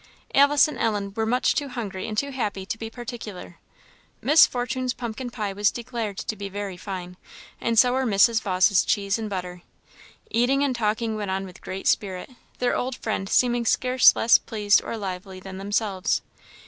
Alice and Ellen were much too hungry and too happy to be particular. Miss Fortune's pumpkin pie was declared to be very fine, and so were Mrs. Vawse's cheese and butter. Eating and talking went on with great spirit, their old friend seeming scarce less pleased or less lively than themselves.